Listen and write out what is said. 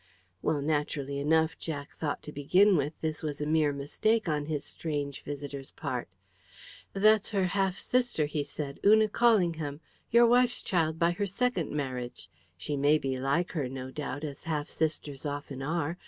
Well, naturally enough Jack thought, to begin with, this was a mere mistake on his strange visitor's part. "That's her half sister," he said, "Una Callingham your wife's child by her second marriage. She may be like her, no doubt, as half sisters often are.